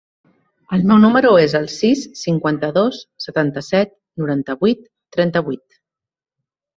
El meu número es el sis, cinquanta-dos, setanta-set, noranta-vuit, trenta-vuit.